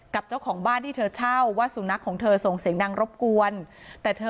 กับเจ้าของบ้านที่เธอเช่าว่าสุนัขของเธอส่งเสียงดังรบกวนแต่เธอ